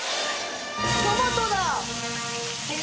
トマトだ。